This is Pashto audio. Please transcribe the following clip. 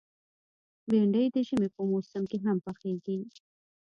بېنډۍ د ژمي په موسم کې هم پخېږي